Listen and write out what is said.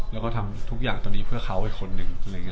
แล้วก็ทำทุกอย่างตอนนี้เพื่อเขาอีกคนหนึ่ง